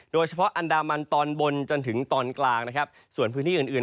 โดยเฉพาะอันดามันตอนบนจนถึงตอนกลางนะครับส่วนพื้นที่อื่นอื่น